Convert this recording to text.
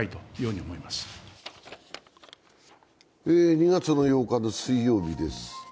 ２月８日水曜日です。